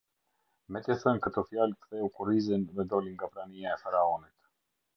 Me t’i thënë këto fjalë ktheu kurrizin dhe doli nga prania e Faraonit.